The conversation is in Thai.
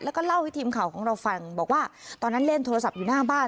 แล้วก็เล่าให้ทีมข่าวของเราฟังบอกว่าตอนนั้นเล่นโทรศัพท์อยู่หน้าบ้าน